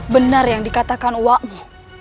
benar yang dikatakan uakmu